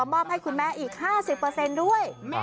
มอบให้คุณแม่อีก๕๐เปอร์เซ็นต์ด้วย